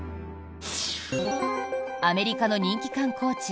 アメリカの人気観光地